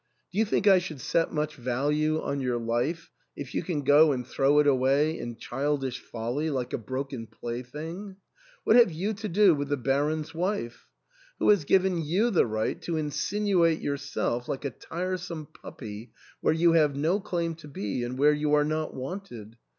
Do you think I should set much value on your life if you can go and throw it away in childish folly like a broken plaything ? What have you to do with the Bar on's wife ? who has given you the right to insinuate yourself, like a tiresome puppy, where you have no claim to be, and where you are not wanted